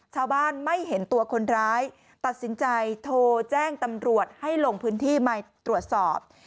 ชาวบ้านไม่เห็นตัวคนร้ายตัดสินใจโทรแจ้งตำรวจให้ลงพื้นที่มาตรวจสอบ